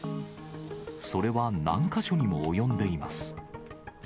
それは何か所にも及んでいます。